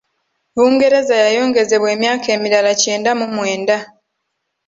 Bungereza yayongezebwa emyaka emirala kyenda mu mwenda.